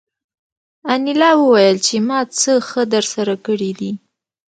انیلا وویل چې ما څه ښه درسره کړي دي